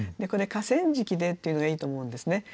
これ「河川敷」でっていうのがいいと思うんですね。